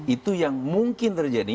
itu yang mungkin terjadi